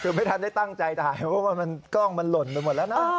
คือไม่ทันได้ตั้งใจถ่ายเพราะว่ากล้องมันหล่นไปหมดแล้วนะ